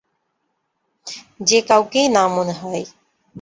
যে কাউকেই না মনে হয়।